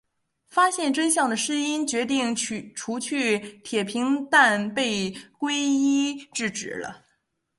发现真相的诗音决定除去铁平但被圭一制止了。